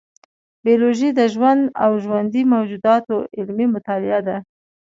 بیولوژي د ژوند او ژوندي موجوداتو علمي مطالعه ده